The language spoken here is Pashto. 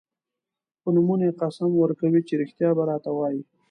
په نومونو یې قسم ورکوي چې رښتیا به راته وايي.